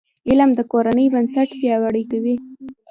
علم د کورنۍ بنسټ پیاوړی کوي.